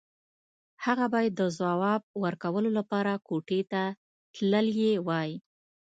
هغه بايد د ځواب ورکولو لپاره کوټې ته تللی وای.